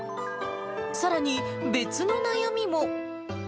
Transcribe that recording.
さらに、別の悩みも。